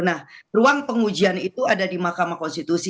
nah ruang pengujian itu ada di mahkamah konstitusi